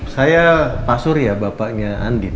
saya pak surya bapaknya andin